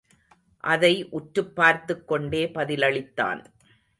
அதை உற்றுப் பார்த்துக்கொண்டே பதிலளித்தான்.